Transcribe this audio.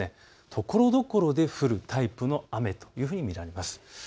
ところどころで降るタイプの雨というふうに見られます。